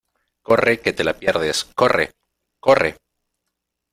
¡ corre que te la pierdes, corre! ¡ corre !